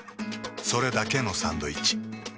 それだけのサンドイッチ。